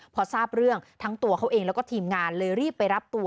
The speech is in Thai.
พอทราบเรื่องทั้งตัวเขาเองแล้วก็ทีมงานเลยรีบไปรับตัว